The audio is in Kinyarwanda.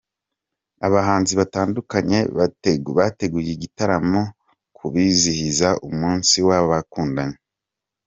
Abahanzi batandukanye bateguye igitaramo ku bizihiza umunsi w’abakundanye.